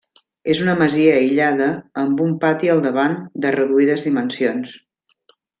És una masia aïllada amb un pati al davant de reduïdes dimensions.